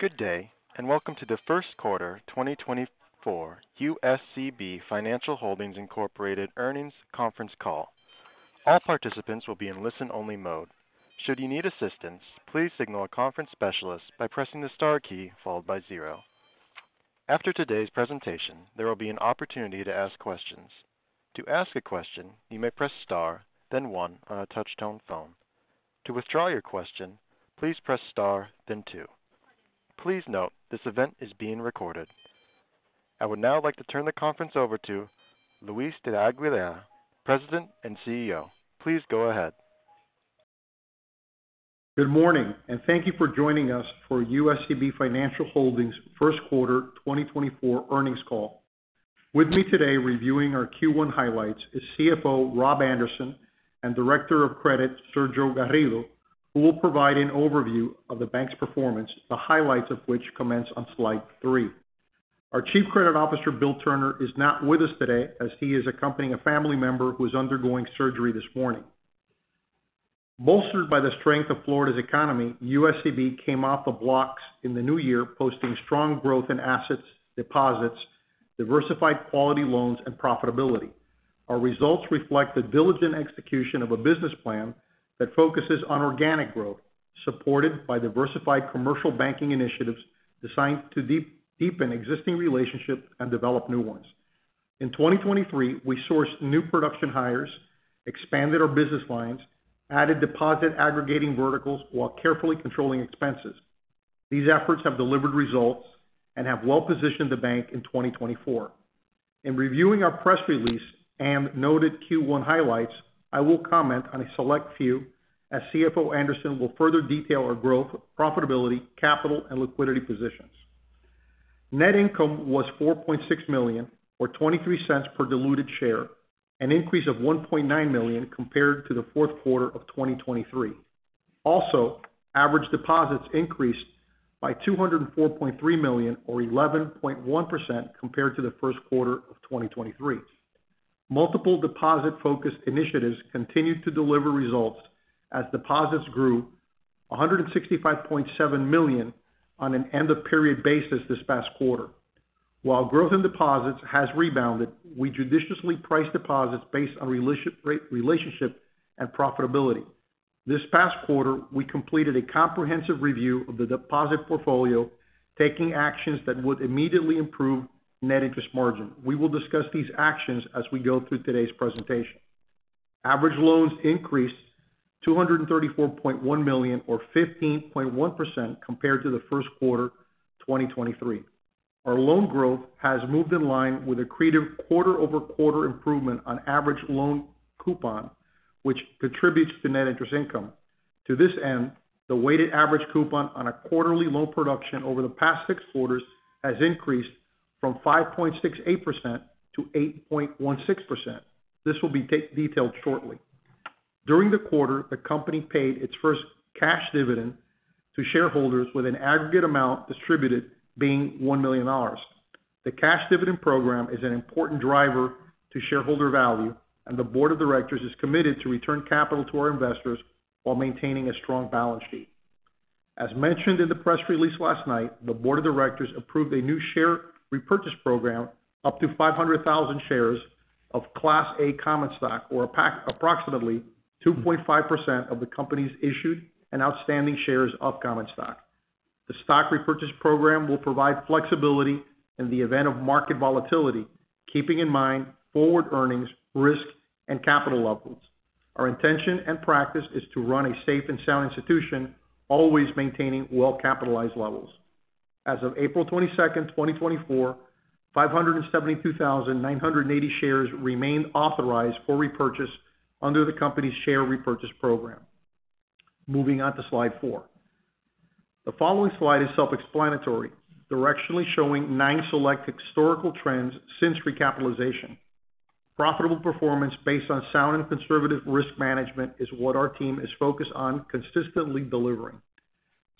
Good day and welcome to the Q1 2024 USCB Financial Holdings, Inc. Earnings Conference Call. All participants will be in listen-only mode. Should you need assistance, please signal a conference specialist by pressing the star key followed by 0. After today's presentation, there will be an opportunity to ask questions. To ask a question, you may press star, then 1 on a touch-tone phone. To withdraw your question, please press star, then 2. Please note this event is being recorded. I would now like to turn the conference over to Luis de la Aguilera, President and CEO. Please go ahead. Good morning, and thank you for joining us for USCB Financial Holdings' Q1 2024 earnings call. With me today reviewing our Q1 highlights is CFO Rob Anderson and Director of Credit Sergio Garrido, who will provide an overview of the bank's performance, the highlights of which commence on slide 3. Our Chief Credit Officer Bill Turner is not with us today as he is accompanying a family member who is undergoing surgery this morning. Bolstered by the strength of Florida's economy, USCB came off the blocks in the new year posting strong growth in assets, deposits, diversified quality loans, and profitability. Our results reflect the diligent execution of a business plan that focuses on organic growth, supported by diversified commercial banking initiatives designed to deepen existing relationships and develop new ones. In 2023, we sourced new production hires, expanded our business lines, added deposit aggregating verticals while carefully controlling expenses. These efforts have delivered results and have well-positioned the bank in 2024. In reviewing our press release and noted Q1 highlights, I will comment on a select few as CFO Anderson will further detail our growth, profitability, capital, and liquidity positions. Net income was $4.6 million or $0.23 per diluted share, an increase of $1.9 million compared to the Q4 of 2023. Also, average deposits increased by $204.3 million or 11.1% compared to the Q1 of 2023. Multiple deposit-focused initiatives continued to deliver results as deposits grew $165.7 million on an end-of-period basis this past quarter. While growth in deposits has rebounded, we judiciously priced deposits based on relationship and profitability. This past quarter, we completed a comprehensive review of the deposit portfolio, taking actions that would immediately improve net interest margin. We will discuss these actions as we go through today's presentation. Average loans increased $234.1 million or 15.1% compared to the Q1 2023. Our loan growth has moved in line with a consistent quarter-over-quarter improvement on average loan coupon, which contributes to net interest income. To this end, the weighted average coupon on a quarterly loan production over the past six quarters has increased from 5.68%-8.16%. This will be detailed shortly. During the quarter, the company paid its first cash dividend to shareholders with an aggregate amount distributed being $1 million. The cash dividend program is an important driver to shareholder value, and the board of directors is committed to return capital to our investors while maintaining a strong balance sheet. As mentioned in the press release last night, the board of directors approved a new share repurchase program, up to 500,000 shares of Class A Common Stock, or approximately 2.5% of the company's issued and outstanding shares of Common Stock. The stock repurchase program will provide flexibility in the event of market volatility, keeping in mind forward earnings, risk, and capital levels. Our intention and practice is to run a safe and sound institution, always maintaining well-capitalized levels. As of April 22, 2024, 572,980 shares remained authorized for repurchase under the company's share repurchase program. Moving on to slide 4. The following slide is self-explanatory, directionally showing nine select historical trends since recapitalization. Profitable performance based on sound and conservative risk management is what our team is focused on consistently delivering.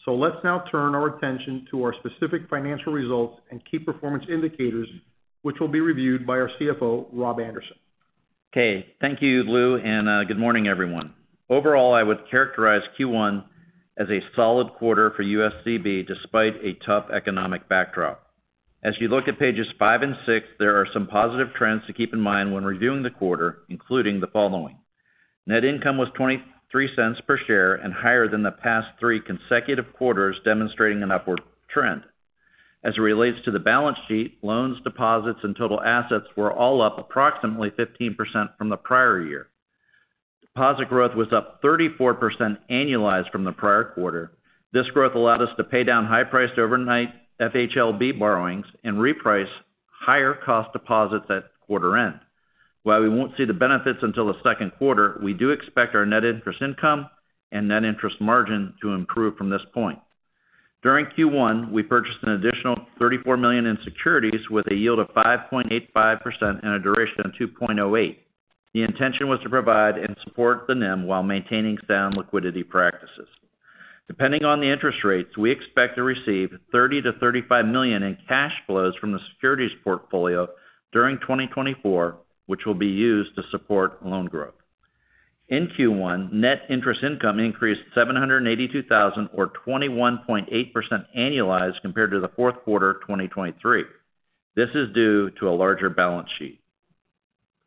Let's now turn our attention to our specific financial results and key performance indicators, which will be reviewed by our CFO, Rob Anderson. Okay. Thank you, Lou, and good morning, everyone. Overall, I would characterize Q1 as a solid quarter for USCB despite a tough economic backdrop. As you look at pages 5 and 6, there are some positive trends to keep in mind when reviewing the quarter, including the following. Net income was $0.23 per share and higher than the past three consecutive quarters, demonstrating an upward trend. As it relates to the balance sheet, loans, deposits, and total assets were all up approximately 15% from the prior year. Deposit growth was up 34% annualized from the prior quarter. This growth allowed us to pay down high-priced overnight FHLB borrowings and reprice higher-cost deposits at quarter-end. While we won't see the benefits until the Q2, we do expect our net interest income and net interest margin to improve from this point. During Q1, we purchased an additional $34 million in securities with a yield of 5.85% and a duration of 2.08. The intention was to provide and support the NIM while maintaining sound liquidity practices. Depending on the interest rates, we expect to receive $30 million-$35 million in cash flows from the securities portfolio during 2024, which will be used to support loan growth. In Q1, net interest income increased $782,000 or 21.8% annualized compared to the Q4 2023. This is due to a larger balance sheet.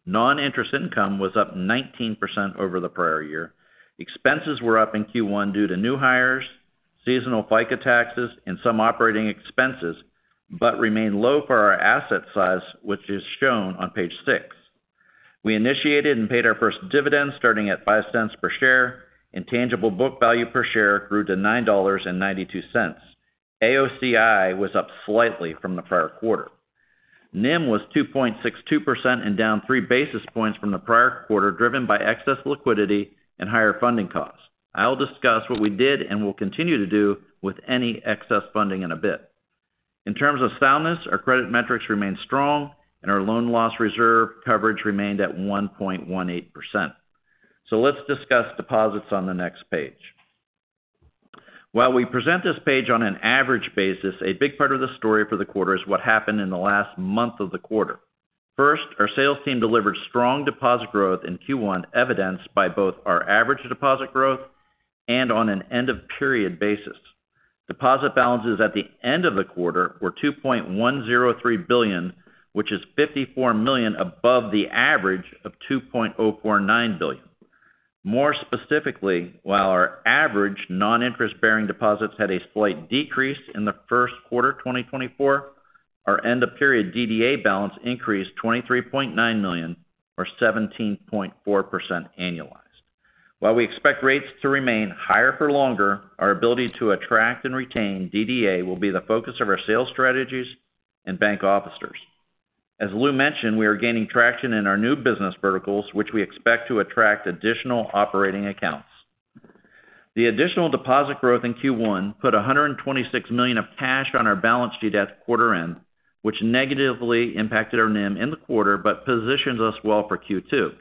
Non-interest income was up 19% over the prior year. Expenses were up in Q1 due to new hires, seasonal FICA taxes, and some operating expenses but remained low for our asset size, which is shown on page 6. We initiated and paid our first dividend starting at $0.05 per share, and tangible book value per share grew to $9.92. AOCI was up slightly from the prior quarter. NIM was 2.62% and down three basis points from the prior quarter, driven by excess liquidity and higher funding costs. I'll discuss what we did and will continue to do with any excess funding in a bit. In terms of soundness, our credit metrics remained strong, and our loan loss reserve coverage remained at 1.18%. So let's discuss deposits on the next page. While we present this page on an average basis, a big part of the story for the quarter is what happened in the last month of the quarter. First, our sales team delivered strong deposit growth in Q1, evidenced by both our average deposit growth and on an end-of-period basis. Deposit balances at the end of the quarter were $2.103 billion, which is $54 million above the average of $2.049 billion. More specifically, while our average non-interest-bearing deposits had a slight decrease in the Q1 2024, our end-of-period DDA balance increased $23.9 million or 17.4% annualized. While we expect rates to remain higher for longer, our ability to attract and retain DDA will be the focus of our sales strategies and bank officers. As Lou mentioned, we are gaining traction in our new business verticals, which we expect to attract additional operating accounts. The additional deposit growth in Q1 put $126 million of cash on our balance sheet at quarter-end, which negatively impacted our NIM in the quarter but positions us well for Q2.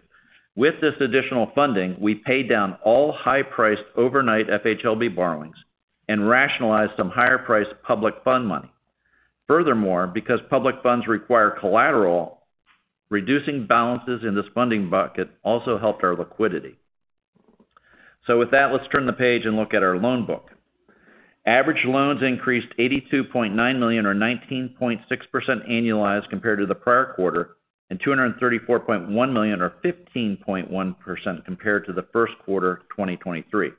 With this additional funding, we paid down all high-priced overnight FHLB borrowings and rationalized some higher-priced public fund money. Furthermore, because public funds require collateral, reducing balances in this funding bucket also helped our liquidity. So with that, let's turn the page and look at our loan book. Average loans increased $82.9 million or 19.6% annualized compared to the prior quarter and $234.1 million or 15.1% compared to the Q1 2023.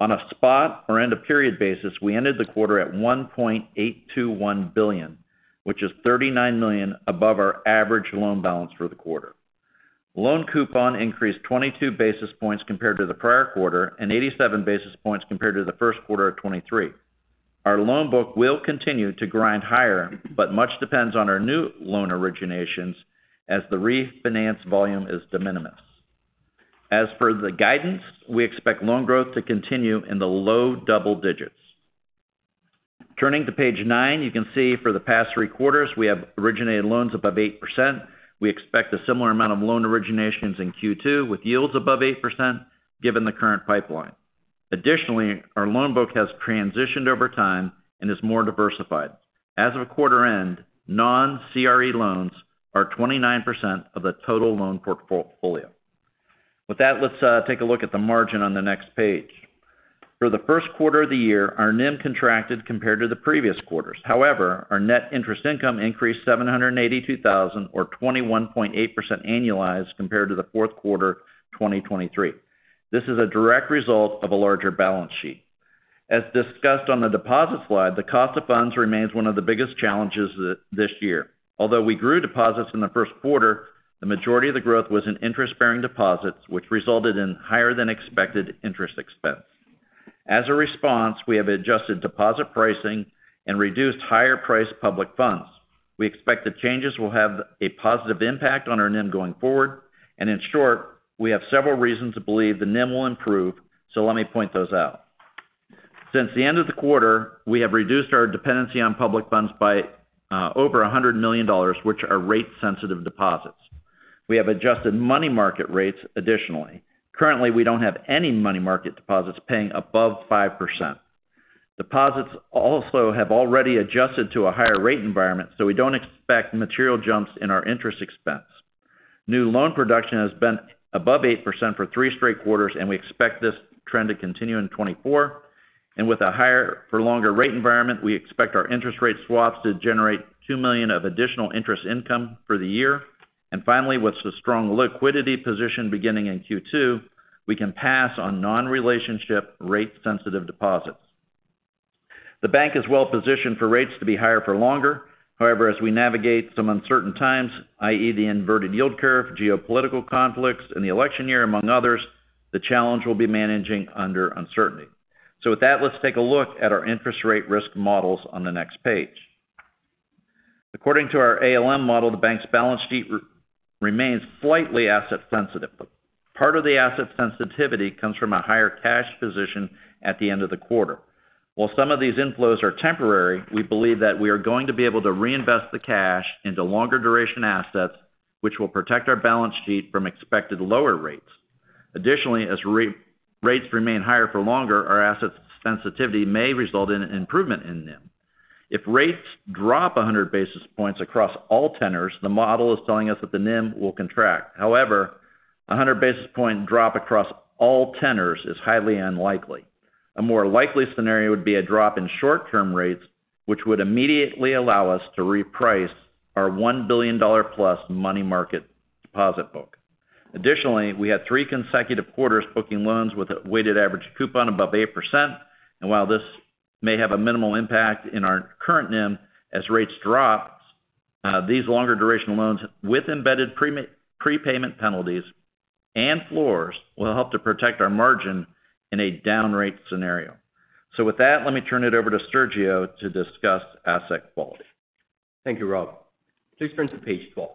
On a spot or end-of-period basis, we ended the quarter at $1.821 billion, which is $39 million above our average loan balance for the quarter. Loan coupon increased 22 basis points compared to the prior quarter and 87 basis points compared to the Q1 of 2023. Our loan book will continue to grind higher, but much depends on our new loan originations as the refinance volume is de minimis. As for the guidance, we expect loan growth to continue in the low double digits. Turning to page 9, you can see for the past three quarters, we have originated loans above 8%. We expect a similar amount of loan originations in Q2 with yields above 8% given the current pipeline. Additionally, our loan book has transitioned over time and is more diversified. As of quarter-end, non-CRE loans are 29% of the total loan portfolio. With that, let's take a look at the margin on the next page. For the Q1 of the year, our NIM contracted compared to the previous quarters. However, our net interest income increased $782,000 or 21.8% annualized compared to the Q4 2023. This is a direct result of a larger balance sheet. As discussed on the deposit slide, the cost of funds remains one of the biggest challenges this year. Although we grew deposits in the Q1, the majority of the growth was in interest-bearing deposits, which resulted in higher-than-expected interest expense. As a response, we have adjusted deposit pricing and reduced higher-priced public funds. We expect the changes will have a positive impact on our NIM going forward. In short, we have several reasons to believe the NIM will improve, so let me point those out. Since the end of the quarter, we have reduced our dependency on public funds by over $100 million, which are rate-sensitive deposits. We have adjusted money market rates additionally. Currently, we don't have any money market deposits paying above 5%. Deposits also have already adjusted to a higher rate environment, so we don't expect material jumps in our interest expense. New loan production has been above 8% for three straight quarters, and we expect this trend to continue in 2024. With a higher-for-longer rate environment, we expect our interest rate swaps to generate $2 million of additional interest income for the year. Finally, with a strong liquidity position beginning in Q2, we can pass on non-relationship rate-sensitive deposits. The bank is well-positioned for rates to be higher for longer. However, as we navigate some uncertain times, i.e., the inverted yield curve, geopolitical conflicts, and the election year, among others, the challenge will be managing under uncertainty. With that, let's take a look at our interest rate risk models on the next page. According to our ALM model, the bank's balance sheet remains slightly asset-sensitive. Part of the asset sensitivity comes from a higher cash position at the end of the quarter. While some of these inflows are temporary, we believe that we are going to be able to reinvest the cash into longer-duration assets, which will protect our balance sheet from expected lower rates. Additionally, as rates remain higher for longer, our asset sensitivity may result in an improvement in NIM. If rates drop 100 basis points across all tenors, the model is telling us that the NIM will contract. However, a 100 basis point drop across all tenors is highly unlikely. A more likely scenario would be a drop in short-term rates, which would immediately allow us to reprice our $1 billion+ money market deposit book. Additionally, we had three consecutive quarters booking loans with a weighted average coupon above 8%. And while this may have a minimal impact in our current NIM, as rates drop, these longer-duration loans with embedded prepayment penalties and floors will help to protect our margin in a down-rate scenario. So with that, let me turn it over to Sergio to discuss asset quality. Thank you, Rob. Please turn to page 12.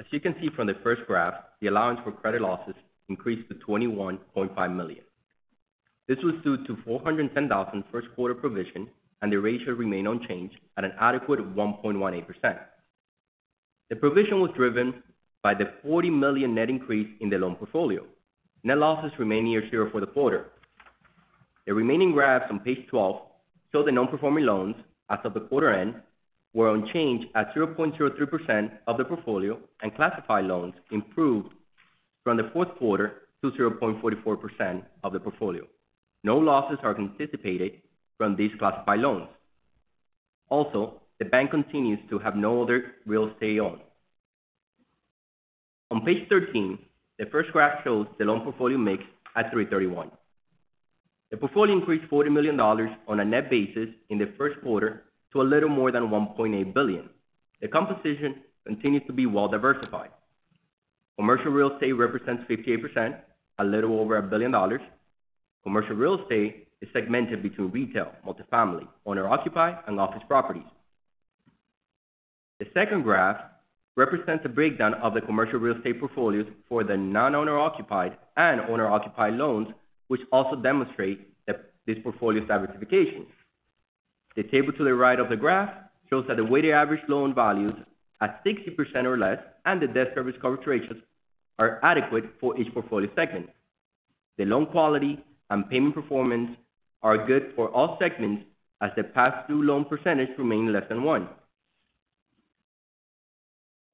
As you can see from the first graph, the allowance for credit losses increased to $21.5 million. This was due to $410,000 first-quarter provision, and the ratio remained unchanged at an adequate 1.18%. The provision was driven by the $40 million net increase in the loan portfolio. Net losses remain near zero for the quarter. The remaining graphs on page 12 show the non-performing loans as of the quarter-end were unchanged at 0.03% of the portfolio, and classified loans improved from the Q4 to 0.44% of the portfolio. No losses are anticipated from these classified loans. Also, the bank continues to have no other real estate owned. On page 13, the first graph shows the loan portfolio mix at 331. The portfolio increased $40 million on a net basis in the Q1 to a little more than $1.8 billion. The composition continues to be well-diversified. Commercial real estate represents 58%, a little over $1 billion. Commercial real estate is segmented between retail, multifamily, owner-occupied, and office properties. The second graph represents a breakdown of the commercial real estate portfolios for the non-owner-occupied and owner-occupied loans, which also demonstrate this portfolio's diversification. The table to the right of the graph shows that the weighted average loan-to-value at 60% or less and the debt service coverage ratios are adequate for each portfolio segment. The loan quality and payment performance are good for all segments as the past-due loan percentage remained less than 1%.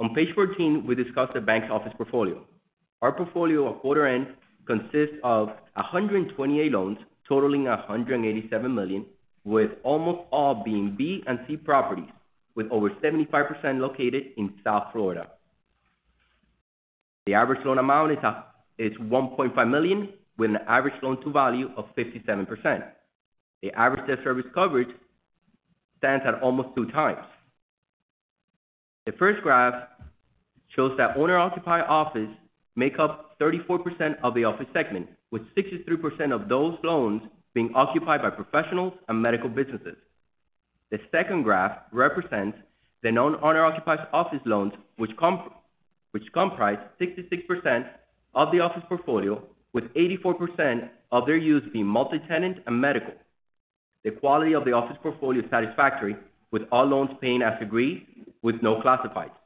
On page 14, we discuss the bank's office portfolio. Our portfolio at quarter-end consists of 128 loans totaling $187 million, with almost all being B and C properties, with over 75% located in South Florida. The average loan amount is $1.5 million, with an average loan-to-value of 57%. The average debt service coverage stands at almost 2 times. The first graph shows that owner-occupied office make up 34% of the office segment, with 63% of those loans being occupied by professionals and medical businesses. The second graph represents the non-owner-occupied office loans, which comprise 66% of the office portfolio, with 84% of their use being multi-tenant and medical. The quality of the office portfolio is satisfactory, with all loans paying as agreed, with no classifieds.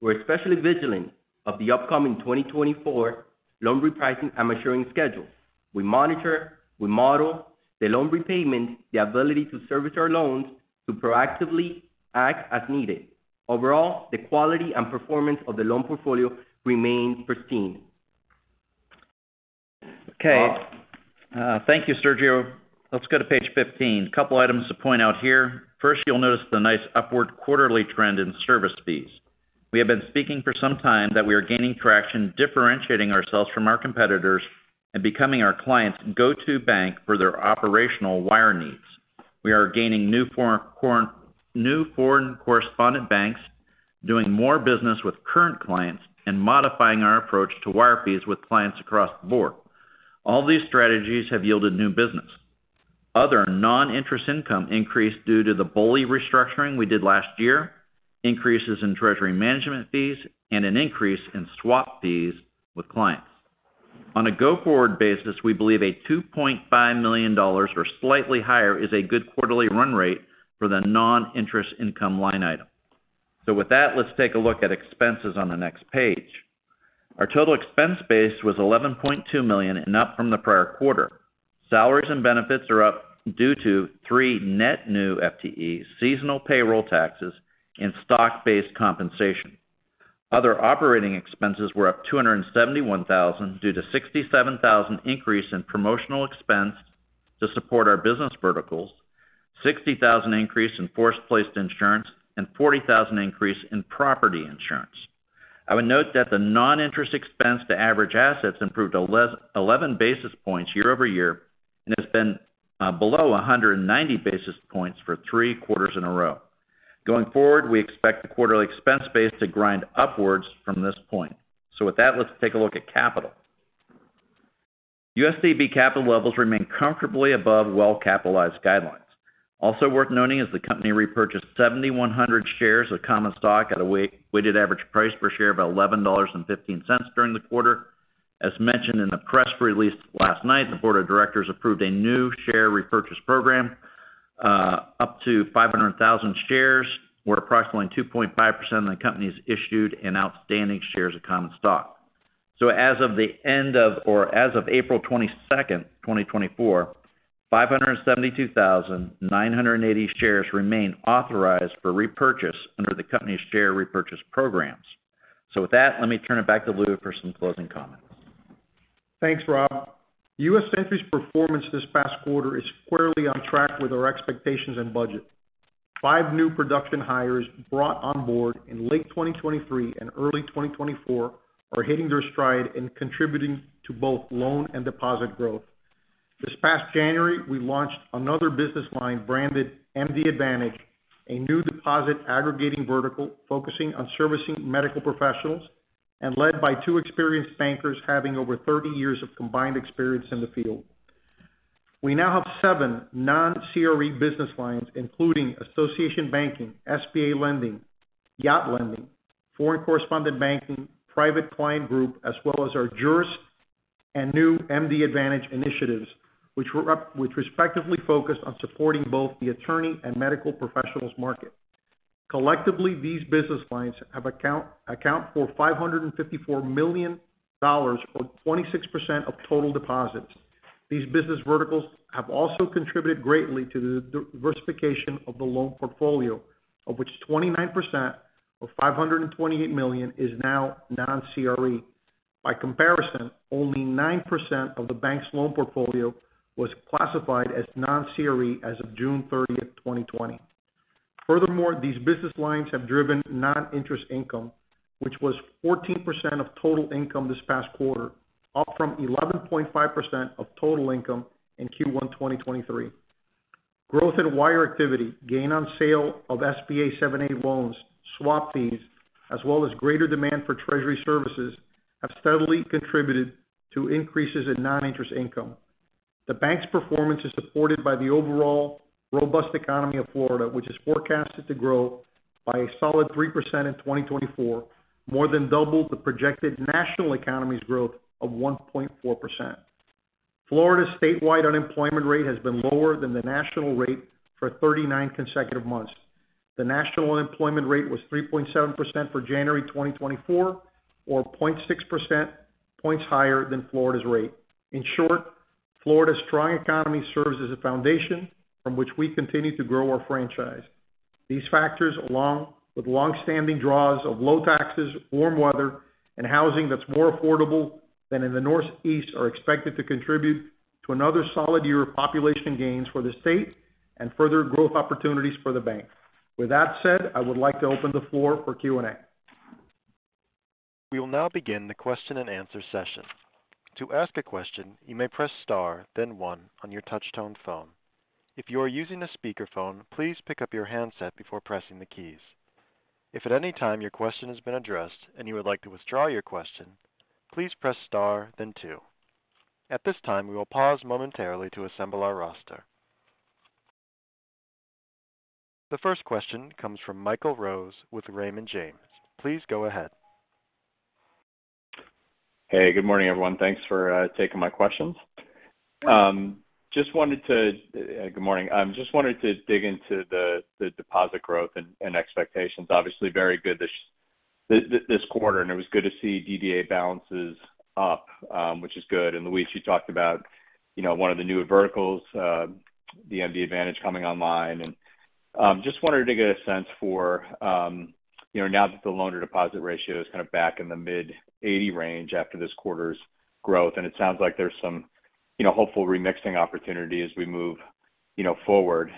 We're especially vigilant of the upcoming 2024 loan repricing and maturing schedule. We monitor, we model the loan repayment, the ability to service our loans to proactively act as needed. Overall, the quality and performance of the loan portfolio remains pristine. Okay. Thank you, Sergio. Let's go to page 15. A couple of items to point out here. First, you'll notice the nice upward quarterly trend in service fees. We have been speaking for some time that we are gaining traction, differentiating ourselves from our competitors and becoming our client's go-to bank for their operational wire needs. We are gaining new foreign correspondent banks, doing more business with current clients, and modifying our approach to wire fees with clients across the board. All these strategies have yielded new business. Other non-interest income increased due to the BOLI restructuring we did last year, increases in treasury management fees, and an increase in swap fees with clients. On a go-forward basis, we believe a $2.5 million or slightly higher is a good quarterly run rate for the non-interest income line item. So with that, let's take a look at expenses on the next page. Our total expense base was $11.2 million and up from the prior quarter. Salaries and benefits are up due to three net new FTEs, seasonal payroll taxes, and stock-based compensation. Other operating expenses were up $271,000 due to a $67,000 increase in promotional expense to support our business verticals, $60,000 increase in force-placed insurance, and $40,000 increase in property insurance. I would note that the non-interest expense to average assets improved 11 basis points year-over-year and has been below 190 basis points for three quarters in a row. Going forward, we expect the quarterly expense base to grind upwards from this point. So with that, let's take a look at capital. USCB capital levels remain comfortably above well-capitalized guidelines. Also worth noting is the company repurchased 7,100 shares of common stock at a weighted average price per share of $11.15 during the quarter. As mentioned in the press release last night, the board of directors approved a new share repurchase program. Up to 500,000 shares were approximately 2.5% of the company's issued and outstanding shares of common stock. So as of April 22nd, 2024, 572,980 shares remain authorized for repurchase under the company's share repurchase programs. So with that, let me turn it back to Lou for some closing comments. Thanks, Rob. USCB's performance this past quarter is squarely on track with our expectations and budget. Five new production hires brought on board in late 2023 and early 2024 are hitting their stride and contributing to both loan and deposit growth. This past January, we launched another business line branded MD Advantage, a new deposit aggregating vertical focusing on servicing medical professionals and led by two experienced bankers having over 30 years of combined experience in the field. We now have seven non-CRE business lines, including Association Banking SBA Lending, Yacht Lending, Foreign Correspondent Banking, Private Client Group, as well as our Jurist and new MD Advantage initiatives, which respectively focused on supporting both the attorney and medical professionals market. Collectively, these business lines have account for $554 million or 26% of total deposits. These business verticals have also contributed greatly to the diversification of the loan portfolio, of which 29% of $528 million is now non-CRE. By comparison, only 9% of the bank's loan portfolio was classified as non-CRE as of June 30th, 2020. Furthermore, these business lines have driven non-interest income, which was 14% of total income this past quarter, up from 11.5% of total income in Q1 2023. Growth in wire activity, gain on sale of SBA 7(a) loans, swap fees, as well as greater demand for treasury services have steadily contributed to increases in non-interest income. The bank's performance is supported by the overall robust economy of Florida, which is forecasted to grow by a solid 3% in 2024, more than double the projected national economy's growth of 1.4%. Florida's statewide unemployment rate has been lower than the national rate for 39 consecutive months. The national unemployment rate was 3.7% for January 2024, or 0.6% points higher than Florida's rate. In short, Florida's strong economy serves as a foundation from which we continue to grow our franchise. These factors, along with longstanding draws of low taxes, warm weather, and housing that's more affordable than in the Northeast, are expected to contribute to another solid year of population gains for the state and further growth opportunities for the bank. With that said, I would like to open the floor for Q&A. We will now begin the Q&A session. To ask a question, you may press star, then one, on your touch-tone phone. If you are using a speakerphone, please pick up your handset before pressing the keys. If at any time your question has been addressed and you would like to withdraw your question, please press star, then two. At this time, we will pause momentarily to assemble our roster. The first question comes from Michael Rose with Raymond James. Please go ahead. Hey, good morning, everyone. Thanks for taking my questions. Just wanted to dig into the deposit growth and expectations. Obviously, very good this quarter, and it was good to see DDA balances up, which is good. Luis, you talked about one of the newer verticals, the MD Advantage coming online. Just wanted to get a sense for now that the loan-to-deposit ratio is kind of back in the mid-80 range after this quarter's growth, and it sounds like there's some hopeful remixing opportunity as we move forward.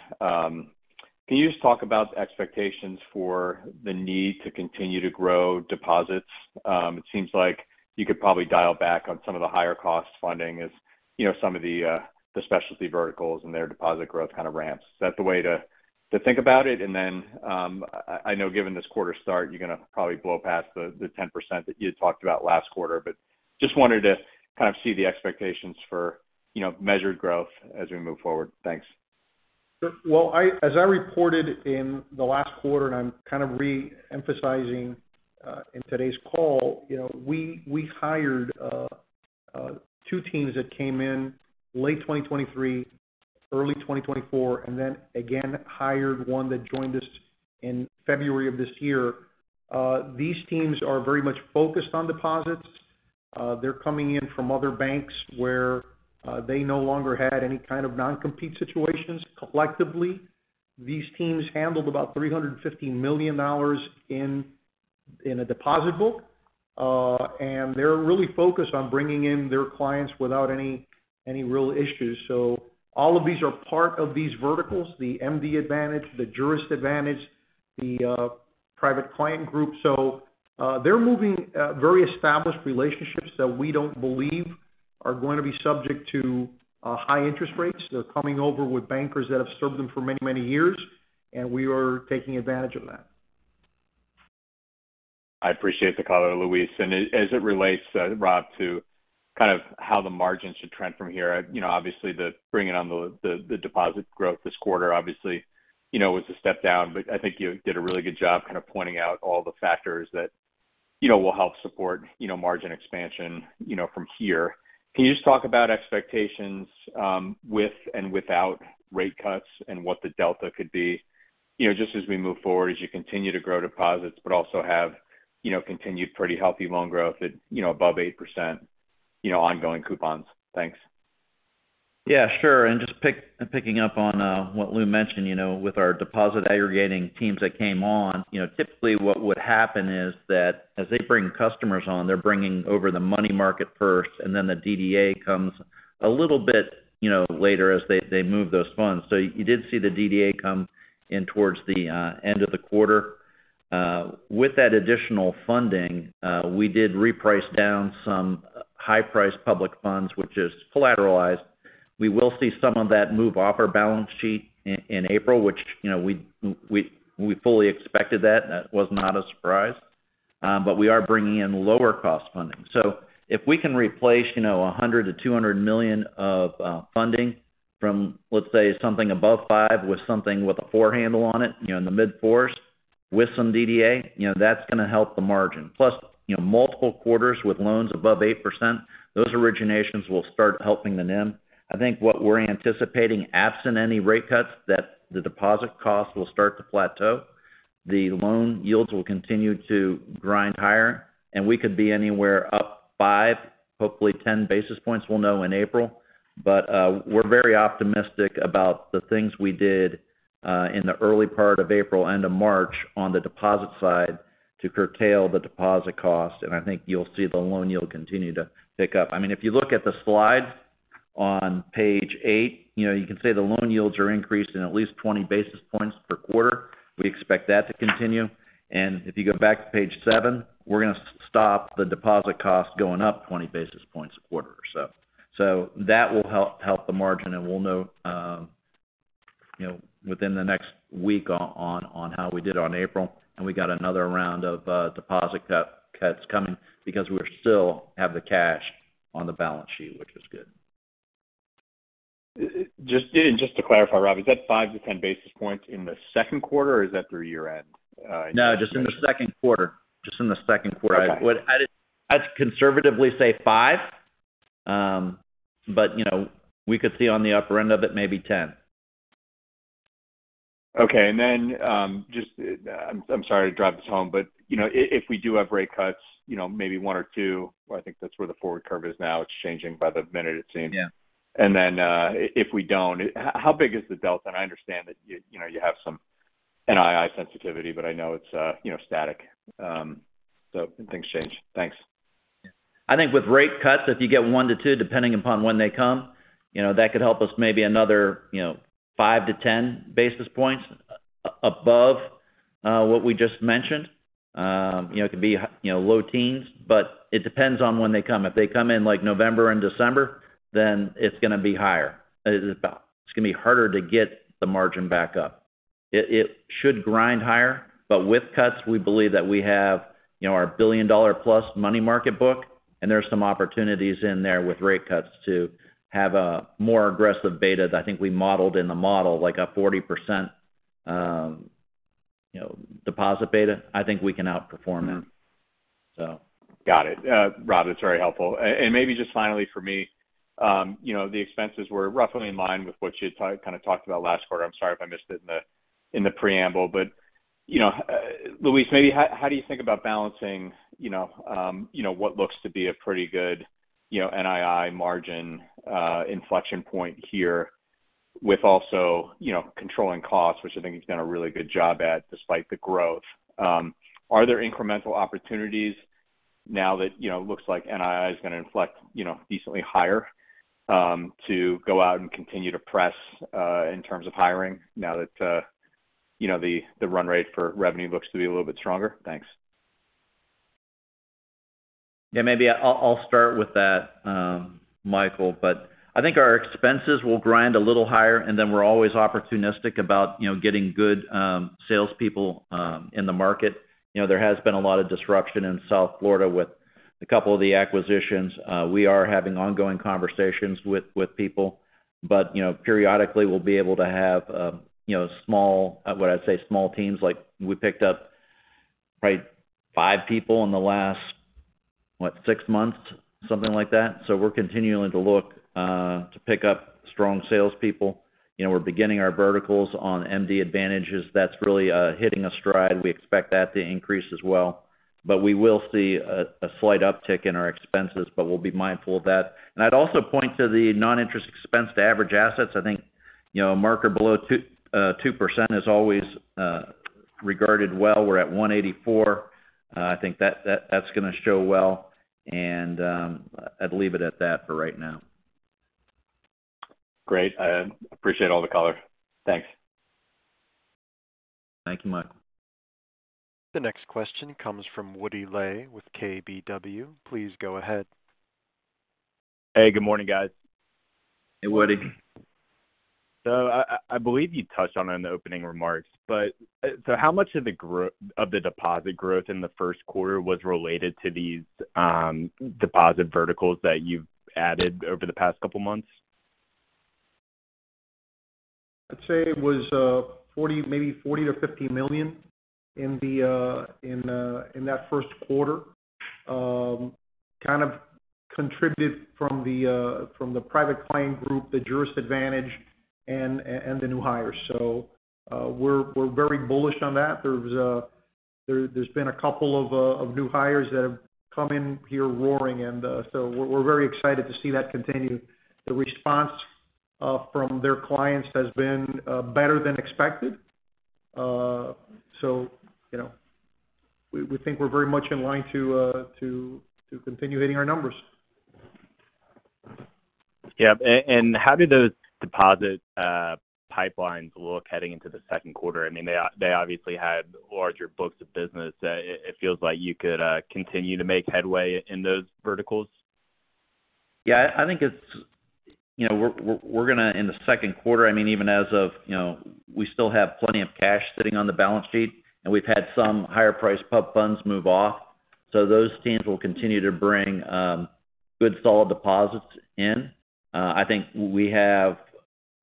Can you just talk about expectations for the need to continue to grow deposits? It seems like you could probably dial back on some of the higher-cost funding as some of the specialty verticals and their deposit growth kind of ramps. Is that the way to think about it? And then I know given this quarter's start, you're going to probably blow past the 10% that you had talked about last quarter, but just wanted to kind of see the expectations for measured growth as we move forward. Thanks. Well, as I reported in the last quarter, and I'm kind of reemphasizing in today's call, we hired two teams that came in late 2023, early 2024, and then again hired one that joined us in February of this year. These teams are very much focused on deposits. They're coming in from other banks where they no longer had any kind of non-compete situations. Collectively, these teams handled about $350 million in a deposit book, and they're really focused on bringing in their clients without any real issues. So all of these are part of these verticals: the MD Advantage, the Jurist Advantage, the Private Client Group. So they're moving very established relationships that we don't believe are going to be subject to high interest rates. They're coming over with bankers that have served them for many, many years, and we are taking advantage of that. I appreciate the call out, Luis. As it relates, Rob, to kind of how the margin should trend from here, obviously, bringing on the deposit growth this quarter, obviously, was a step down, but I think you did a really good job kind of pointing out all the factors that will help support margin expansion from here. Can you just talk about expectations with and without rate cuts and what the delta could be just as we move forward, as you continue to grow deposits but also have continued pretty healthy loan growth at above 8%, ongoing coupons? Thanks. Yeah, sure. Just picking up on what Lou mentioned, with our deposit aggregating teams that came on, typically what would happen is that as they bring customers on, they're bringing over the money market first, and then the DDA comes a little bit later as they move those funds. So you did see the DDA come in towards the end of the quarter. With that additional funding, we did reprice down some high-priced public funds, which is collateralized. We will see some of that move off our balance sheet in April, which we fully expected that. That was not a surprise. But we are bringing in lower-cost funding. So if we can replace $100 million-$200 million of funding from, let's say, something above 5 with something with a four handle on it in the mid-4s with some DDA, that's going to help the margin. Plus, multiple quarters with loans above 8%, those originations will start helping the NIM. I think what we're anticipating, absent any rate cuts, that the deposit cost will start to plateau. The loan yields will continue to grind higher, and we could be anywhere up 5, hopefully 10 basis points. We'll know in April. But we're very optimistic about the things we did in the early part of April, end of March, on the deposit side to curtail the deposit cost, and I think you'll see the loan yield continue to pick up. I mean, if you look at the slide on page 8, you can see the loan yields are increased in at least 20 basis points per quarter. We expect that to continue. And if you go back to page 7, we're going to stop the deposit cost going up 20 basis points a quarter or so. That will help the margin, and we'll know within the next week on how we did on April. We got another round of deposit cuts coming because we still have the cash on the balance sheet, which is good. Just to clarify, Rob, is that 5-10 basis points in the Q2, or is that through year-end? No, just in the Q2. Just in the Q2. I'd conservatively say 5, but we could see on the upper end of it maybe 10. Okay. And then just, I'm sorry to drive this home, but if we do have rate cuts, maybe one or two, or I think that's where the forward curve is now. It's changing by the minute, it seems. And then if we don't, how big is the delta? And I understand that you have some NII sensitivity, but I know it's static, and things change. Thanks. I think with rate cuts, if you get 1-2, depending upon when they come, that could help us maybe another 5-10 basis points above what we just mentioned. It could be low teens, but it depends on when they come. If they come in November and December, then it's going to be higher. It's going to be harder to get the margin back up. It should grind higher, but with cuts, we believe that we have our billion-dollar-plus money market book, and there's some opportunities in there with rate cuts to have a more aggressive beta that I think we modeled in the model, like a 40% deposit beta. I think we can outperform that, so. Got it. Rob, that's very helpful. Maybe just finally for me, the expenses were roughly in line with what you had kind of talked about last quarter. I'm sorry if I missed it in the preamble, but Luis, maybe how do you think about balancing what looks to be a pretty good NII margin inflection point here with also controlling costs, which I think you've done a really good job at despite the growth? Are there incremental opportunities now that it looks like NII is going to inflect decently higher to go out and continue to press in terms of hiring now that the run rate for revenue looks to be a little bit stronger? Thanks. Yeah, maybe I'll start with that, Michael, but I think our expenses will grind a little higher, and then we're always opportunistic about getting good salespeople in the market. There has been a lot of disruption in South Florida with a couple of the acquisitions. We are having ongoing conversations with people, but periodically, we'll be able to have small what I'd say small teams. We picked up probably 5 people in the last, what, 6 months, something like that. So we're continuing to look to pick up strong salespeople. We're beginning our verticals on MD Advantage. That's really hitting a stride. We expect that to increase as well. But we will see a slight uptick in our expenses, but we'll be mindful of that. And I'd also point to the non-interest expense to average assets. I think a marker below 2% is always regarded well. We're at 184. I think that's going to show well, and I'd leave it at that for right now. Great. I appreciate all the callout. Thanks. Thank you, Michael. The next question comes from Woody Lay with KBW. Please go ahead. Hey, good morning, guys. Hey, Woody. So I believe you touched on it in the opening remarks, but how much of the deposit growth in the Q1 was related to these deposit verticals that you've added over the past couple of months? I'd say it was maybe $40 million-$50 million in that Q1, kind of contributed from the Private Client Group, the Jurist Advantage, and the new hires. So we're very bullish on that. There's been a couple of new hires that have come in here roaring, and so we're very excited to see that continue. The response from their clients has been better than expected. So we think we're very much in line to continue hitting our numbers. Yeah. And how do those deposit pipelines look heading into the Q2? I mean, they obviously had larger books of business. It feels like you could continue to make headway in those verticals. Yeah, I think we're going to in the Q2. I mean, even as of, we still have plenty of cash sitting on the balance sheet, and we've had some higher-priced public funds move off. So those teams will continue to bring good, solid deposits in. I think we have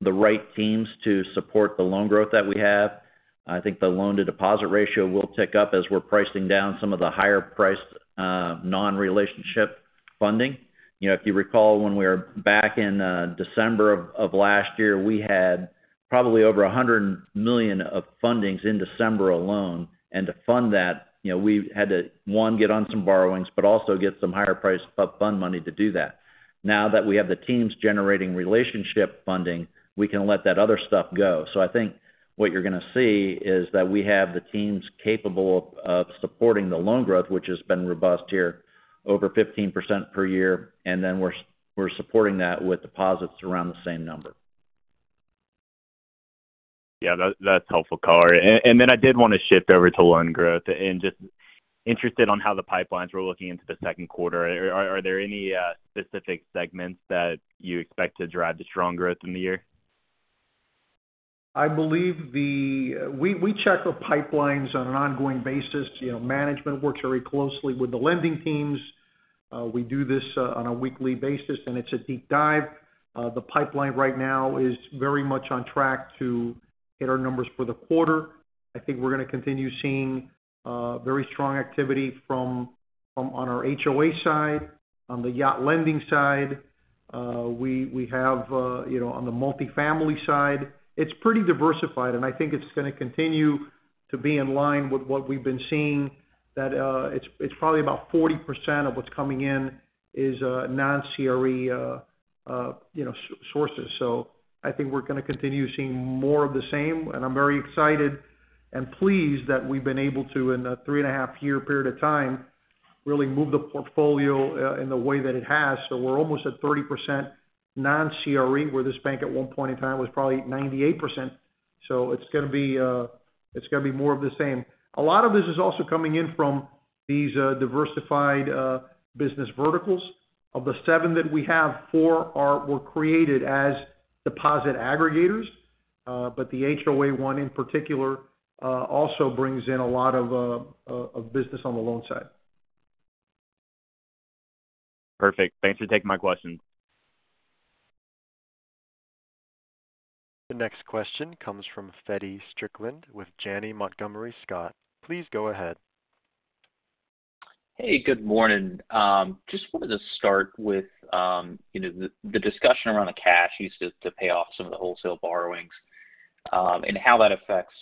the right teams to support the loan growth that we have. I think the loan-to-deposit ratio will tick up as we're pricing down some of the higher-priced non-relationship funding. If you recall, when we were back in December of last year, we had probably over $100 million of fundings in December alone. And to fund that, we had to, one, get on some borrowings, but also get some higher-priced public fund money to do that. Now that we have the teams generating relationship funding, we can let that other stuff go. So I think what you're going to see is that we have the teams capable of supporting the loan growth, which has been robust here, over 15% per year, and then we're supporting that with deposits around the same number. Yeah, that's helpful, Carl. And then I did want to shift over to loan growth and just interested on how the pipelines were looking into the Q2. Are there any specific segments that you expect to drive the strong growth in the year? I believe that we check the pipelines on an ongoing basis. Management works very closely with the lending teams. We do this on a weekly basis, and it's a deep dive. The pipeline right now is very much on track to hit our numbers for the quarter. I think we're going to continue seeing very strong activity from our HOA side, on the yacht lending side. We have on the multifamily side, it's pretty diversified, and I think it's going to continue to be in line with what we've been seeing, that it's probably about 40% of what's coming in is non-CRE sources. So I think we're going to continue seeing more of the same, and I'm very excited and pleased that we've been able to, in a three-and-a-half-year period of time, really move the portfolio in the way that it has. So we're almost at 30% non-CRE, where this bank at one point in time was probably 98%. So it's going to be more of the same. A lot of this is also coming in from these diversified business verticals. Of the seven that we have, four were created as deposit aggregators, but the HOA one in particular also brings in a lot of business on the loan side. Perfect. Thanks for taking my questions. The next question comes from Feddie Strickland with Janney Montgomery Scott. Please go ahead. Hey, good morning. Just wanted to start with the discussion around the cash used to pay off some of the wholesale borrowings and how that affects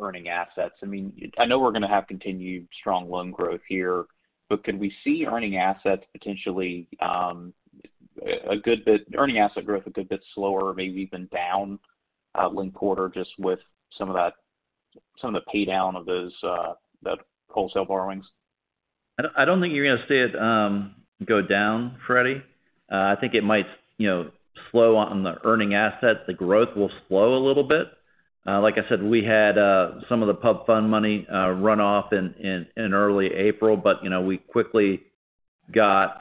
earning assets. I mean, I know we're going to have continued strong loan growth here, but could we see earning assets potentially a good bit earning asset growth a good bit slower, maybe even down linked quarter just with some of the paydown of those wholesale borrowings? I don't think you're going to see it go down, Feddie. I think it might slow on the earning assets. The growth will slow a little bit. Like I said, we had some of the pump fund money run off in early April, but we quickly got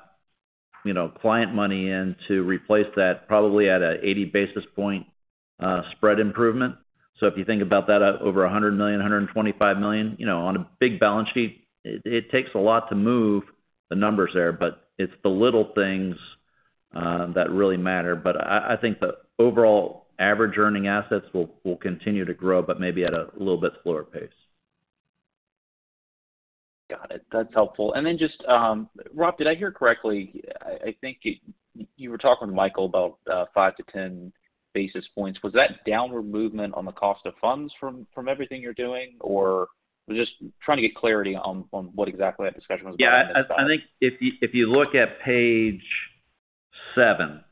client money in to replace that probably at an 80 basis point spread improvement. So if you think about that, over $100 million, $125 million, on a big balance sheet, it takes a lot to move the numbers there, but it's the little things that really matter. But I think the overall average earning assets will continue to grow, but maybe at a little bit slower pace. Got it. That's helpful. And then just, Rob, did I hear correctly? I think you were talking with Michael about 5-10 basis points. Was that downward movement on the cost of funds from everything you're doing, or I'm just trying to get clarity on what exactly that discussion was about? Yeah, I think if you look at page 7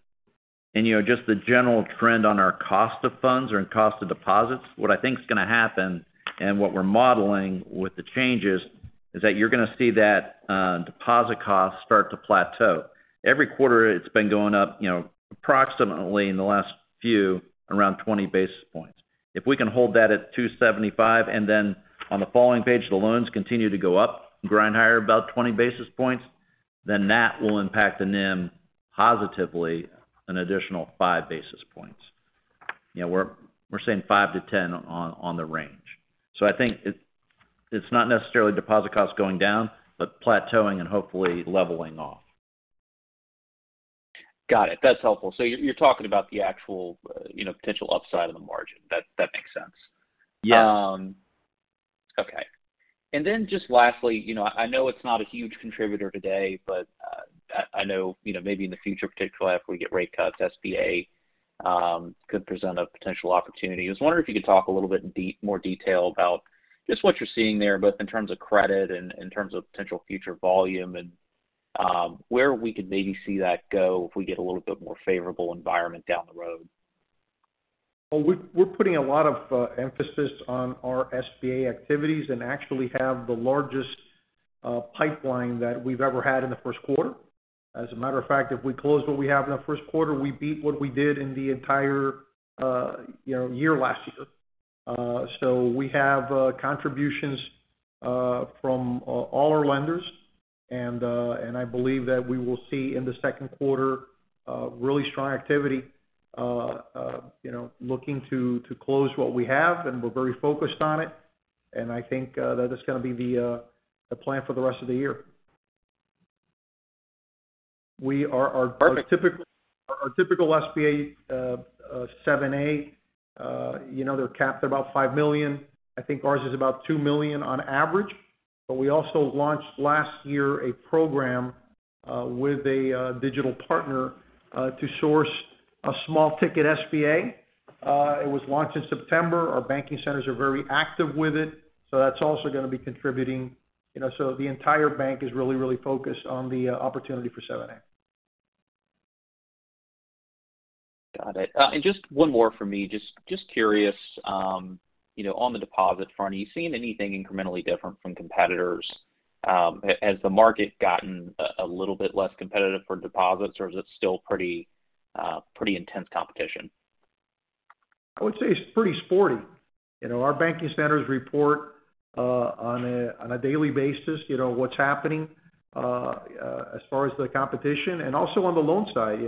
and just the general trend on our cost of funds or in cost of deposits, what I think's going to happen and what we're modeling with the changes is that you're going to see that deposit cost start to plateau. Every quarter, it's been going up approximately in the last few around 20 basis points. If we can hold that at 275 and then on the following page, the loans continue to go up, grind higher about 20 basis points, then that will impact the NIM positively an additional 5 basis points. We're saying 5-10 on the range. So I think it's not necessarily deposit costs going down, but plateauing and hopefully leveling off. Got it. That's helpful. So you're talking about the actual potential upside of the margin. That makes sense. Yes. Okay. And then just lastly, I know it's not a huge contributor today, but I know maybe in the future, particularly after we get rate cuts, SBA could present a potential opportunity. I was wondering if you could talk a little bit more detail about just what you're seeing there, both in terms of credit and in terms of potential future volume and where we could maybe see that go if we get a little bit more favorable environment down the road? Well, we're putting a lot of emphasis on our SBA activities and actually have the largest pipeline that we've ever had in the Q1. As a matter of fact, if we close what we have in the Q1, we beat what we did in the entire year last year. So we have contributions from all our lenders, and I believe that we will see in the Q2 really strong activity looking to close what we have, and we're very focused on it. And I think that that's going to be the plan for the rest of the year. Our typical SBA 7(a), they're capped at about $5 million. I think ours is about $2 million on average. But we also launched last year a program with a digital partner to source a small-ticket SBA. It was launched in September. Our banking centers are very active with it, so that's also going to be contributing. The entire bank is really, really focused on the opportunity for 7A. Got it. Just one more for me, just curious, on the deposit front, are you seeing anything incrementally different from competitors? Has the market gotten a little bit less competitive for deposits, or is it still pretty intense competition? I would say it's pretty sporty. Our banking centers report on a daily basis what's happening as far as the competition. And also on the loan side,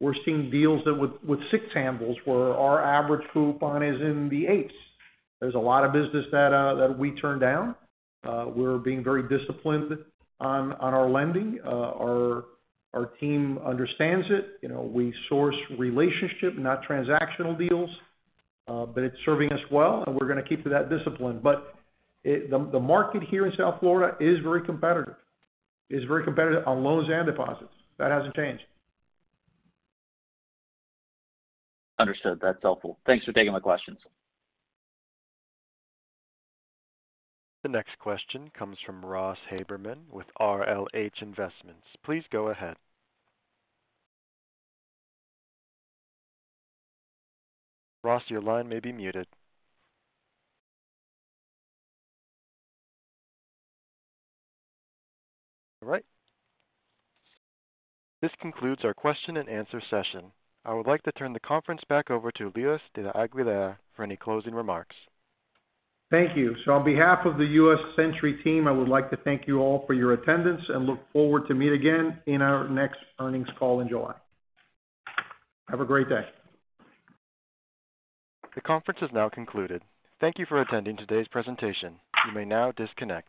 we're seeing deals with six handles where our average coupon is in the eights. There's a lot of business that we turn down. We're being very disciplined on our lending. Our team understands it. We source relationship, not transactional deals, but it's serving us well, and we're going to keep to that discipline. But the market here in South Florida is very competitive, is very competitive on loans and deposits. That hasn't changed. Understood. That's helpful. Thanks for taking my questions. The next question comes from Ross Haberman with RLH Investments. Please go ahead. Ross, your line may be muted. All right. This concludes our Q&A session. I would like to turn the conference back over to Luis de la Aguilera for any closing remarks. Thank you. So on behalf of the U.S. Century team, I would like to thank you all for your attendance and look forward to meeting again in our next earnings call in July. Have a great day. The conference has now concluded. Thank you for attending today's presentation. You may now disconnect.